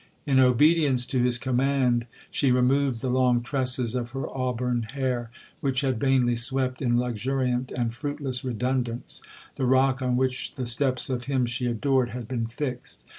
'In obedience to his command, she removed the long tresses of her auburn hair, which had vainly swept, in luxuriant and fruitless redundance, the rock on which the steps of him she adored had been fixed.